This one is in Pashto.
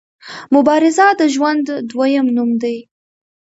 مبارزه د ژوند دویم نوم دی.